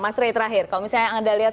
mas rey terakhir kalau misalnya anda lihat